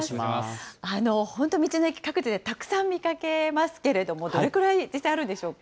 本当、道の駅、各地でたくさん見かけますけれども、どれくらい実際あるんでしょうか。